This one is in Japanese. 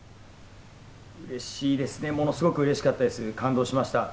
うれしいですね、ものすごくうれしかったです、感動しました。